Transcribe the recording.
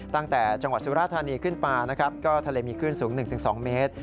ตั้งแต่จังหวัดสุราธานีขึ้นมานะครับก็ทะเลมีคลื่นสูง๑๒เมตร